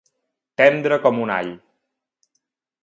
Tendre com un all.